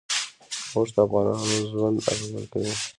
اوښ د افغانانو ژوند اغېزمن کوي.